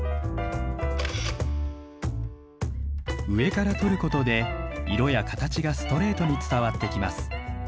上から撮ることで色や形がストレートに伝わってきます。